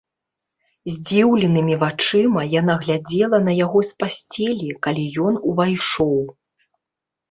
Здзіўленымі вачыма яна глядзела на яго з пасцелі, калі ён увайшоў.